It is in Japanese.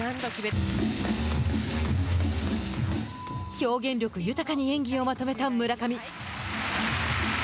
表現力豊かに演技をまとめた村上。